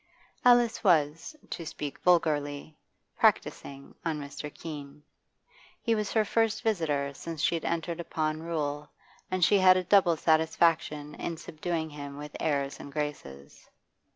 Alice was, to speak vulgarly, practising on Mr. Keene. He was her first visitor since she had entered upon rule, and she had a double satisfaction in subduing him with airs and graces.